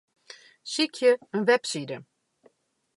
Sykje in webside.